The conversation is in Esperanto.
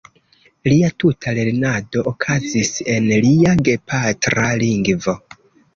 Lia tuta lernado okazis en lia gepatra lingvo.